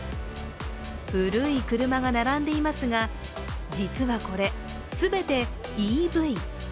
古い車が並んでいますが実はこれ、全てＥＶ。